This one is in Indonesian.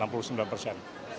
periode kedua ya